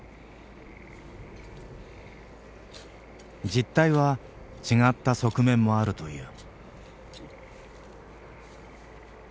実態は違った側面もあるという。